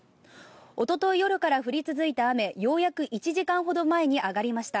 おととい夜から降り続いた雨ようやく１時間前に上がりました。